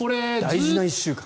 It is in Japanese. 大事な１週間。